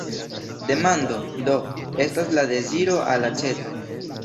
Demando, do, estas la deziro al aĉeto.